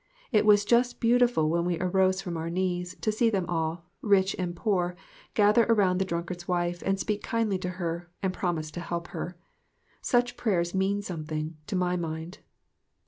It was just beautiful when we arose from our knees, to see them all, rich and poor, gather around the drunkard's wife and speak kindly to her, and promise to help her. Such prayers mean some thing, to my mind.